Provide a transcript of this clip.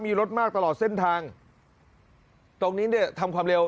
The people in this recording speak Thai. มีรถมากตลอดเส้นทางตรงนี้เนี่ยทำความเร็ว